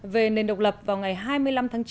về nền độc lập vào ngày hai mươi năm tháng chín